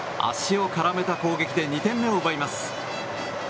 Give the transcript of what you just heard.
足を絡めた攻撃で２点目を奪います。